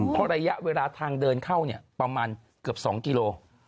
เพราะระยะเวลาทางเดินเข้าประมาณเกือบ๒กิโล